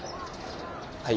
はい？